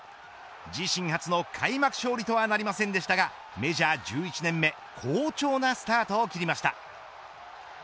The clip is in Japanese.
自身初の開幕勝利とはなりませんでしたがメジャー１１年目好調なスタートを切りました。